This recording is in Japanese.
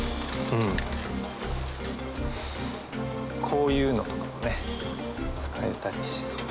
こういうのとかもね使えたりしそう。